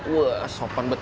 wah sopan bet